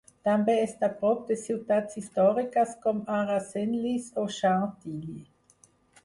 També està a prop de ciutats històriques com ara Senlis o Chantilly.